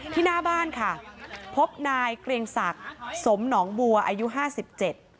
หน้าบ้านค่ะพบนายเกรียงศักดิ์สมหนองบัวอายุห้าสิบเจ็ด